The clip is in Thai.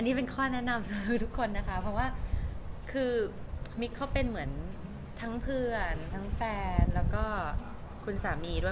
นี่เป็นข้อแนะนำสำหรับทุกคนนะคะเพราะว่าคือมิ๊กเขาเป็นเหมือนทั้งเพื่อนทั้งแฟนแล้วก็คุณสามีด้วย